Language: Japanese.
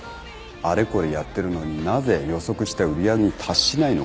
あれこれやってるのになぜ予測した売り上げに達しないのか。